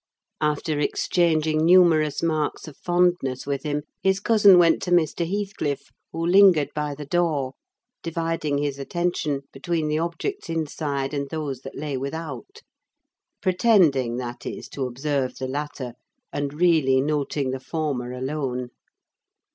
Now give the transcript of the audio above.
After exchanging numerous marks of fondness with him, his cousin went to Mr. Heathcliff, who lingered by the door, dividing his attention between the objects inside and those that lay without: pretending, that is, to observe the latter, and really noting the former alone.